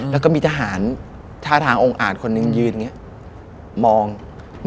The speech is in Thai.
แล้วก็มีทหารท่าทางองค์อาจคนหนึ่งยืนอย่างนี้